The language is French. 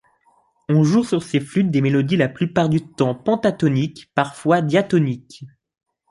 On joue sur ces flûtes des mélodies la plupart du temps pentatoniques, parfois diatoniques.